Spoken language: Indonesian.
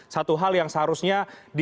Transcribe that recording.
satu hal yang seharusnya